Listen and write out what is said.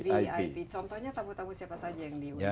contohnya tamu tamu siapa saja yang diundang undang